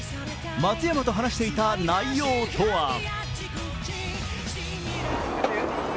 松山と話していた内容とは？